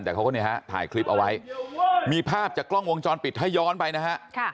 แต่เขาก็เนี่ยฮะถ่ายคลิปเอาไว้มีภาพจากกล้องวงจรปิดถ้าย้อนไปนะฮะ